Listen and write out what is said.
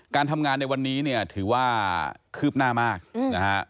การทำงานในวันนี้เนี่ยถือว่าคืบหน้ามากนะฮะ